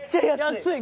安い。